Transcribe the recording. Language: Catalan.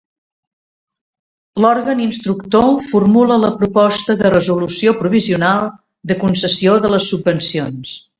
L'òrgan instructor formula la proposta de resolució provisional de concessió de les subvencions.